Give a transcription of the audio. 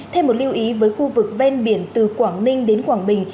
thêm một lưu ý với khu vực ven biển từ quảng ninh đến quảng bình